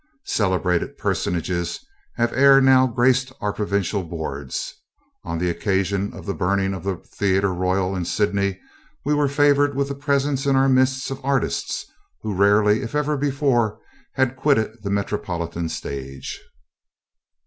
Celebrated personages have ere now graced our provincial boards. On the occasion of the burning of the Theatre Royal in Sydney, we were favoured with the presence in our midst of artists who rarely, if ever before, had quitted the metropolitan stage.